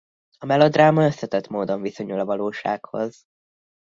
A melodráma összetett módon viszonyul a valósághoz.